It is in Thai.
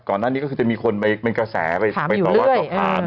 ก่อนหน้านี้ก็จะมีคนไปเป็นกระแสไปบอกว่าสถาน